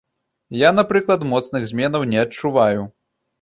Я, напрыклад, моцных зменаў не адчуваю.